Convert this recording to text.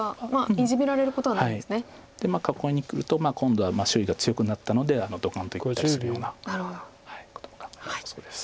囲いにくると今度は周囲が強くなったのでドカンといったりするようなことも考えられそうです。